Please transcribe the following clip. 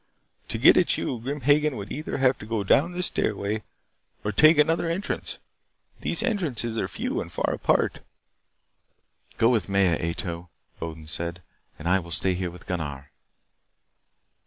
To get at you, Grim Hagen would either have to go down this stairway or take another entrance. These entrances, are few and far apart." "Go with Maya, Ato," Odin said, "and I will stay here with Gunnar."